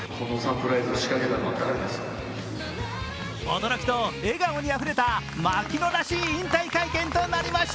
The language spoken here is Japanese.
驚きと笑顔にあふれた槙野らしい引退会見となりました。